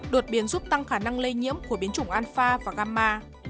đột biến giúp tăng khả năng lây nhiễm của biến chủng alpha và gamma